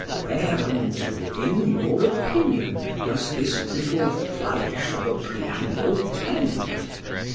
Whereunto (in your opinion) doth this little flourish of a preamble tend?